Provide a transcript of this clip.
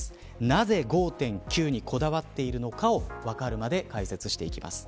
なぜ５．９にこだわっているのかをわかるまで解説していきます。